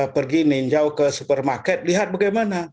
pergi ninjau ke supermarket lihat bagaimana